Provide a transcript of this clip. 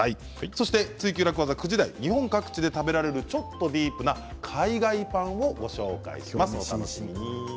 そして「ツイＱ楽ワザ」９時台日本各地で食べられるちょっとディープな海外パンをご紹介します。